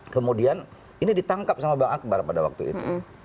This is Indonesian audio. kemudian ini ditangkap sama bang akbar pada waktu itu